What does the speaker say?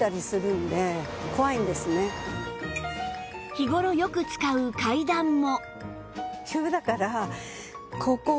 日頃よく使う階段も